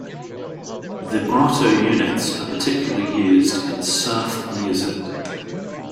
Vibrato units are particularly used in surf music.